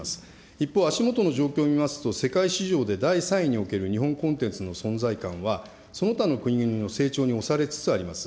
一方、足下の状況を見ますと、世界市場で第３位における日本コンテンツの存在感は、その他の国々の成長に押されつつあります。